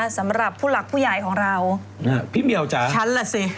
สำหรับผู้หลักผู้ใหญ่ของเราพี่เมียวจ๋าฉันล่ะสิ